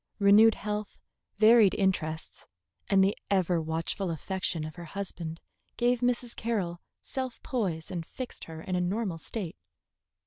Renewed health, varied interests, and the ever watchful affection of her husband gave Mrs. Carroll self poise and fixed her in a normal state.